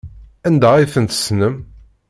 Anda ay tent-tessnem?